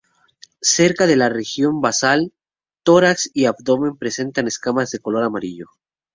Cerca de la región basal, tórax y abdomen presenta escamas de color amarillo.